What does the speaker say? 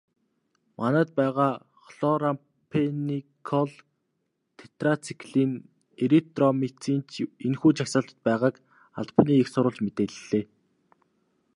Манайд байгаа хлорамфеникол, тетрациклин, эритромицин ч энэхүү жагсаалтад байгааг албаны эх сурвалж мэдээллээ.